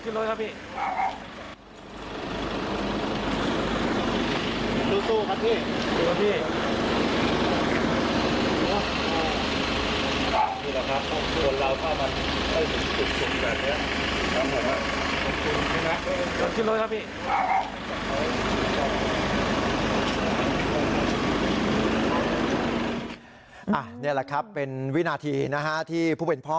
นี่แหละครับเป็นวินาทีนะฮะที่ผู้เป็นพ่อ